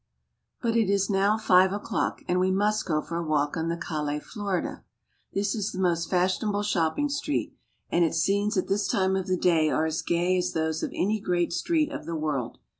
But it is now five o'clock, and we must go for a walk on the Calle Florida. This is the most fashionable shopping street, and its scenes at this time of the day are as gay as those of any great street of the world.